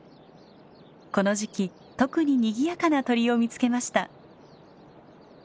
この時期特ににぎやかな鳥を見つけました。